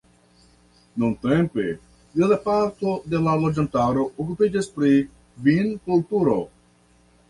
Nuntempe granda parto de la loĝantaro okupiĝas pri vinkulturo.